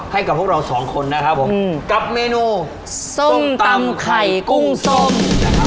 ให้กับพวกเราสองคนนะครับผมกับเมนูส้มตำไข่กุ้งส้มนะครับ